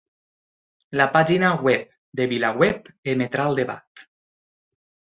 La pàgina web de VilaWeb emetrà el debat